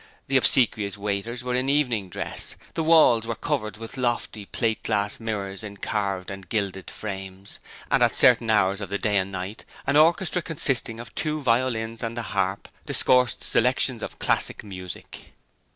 The obsequious waiters were in evening dress, the walls were covered with lofty plate glass mirrors in carved and gilded frames, and at certain hours of the day and night an orchestra consisting of two violins and a harp discoursed selections of classic music.